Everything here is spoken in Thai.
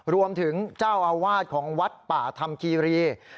รวมถึงเจ้าอาวาสของวัดป่าธรรมคีรี